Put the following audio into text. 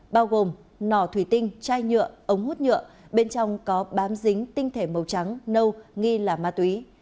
bao gồm nỏ thủy tinh chai nhựa ống hút nhựa bên trong có bám dính tinh thể màu trắng nâu nghi là ma túy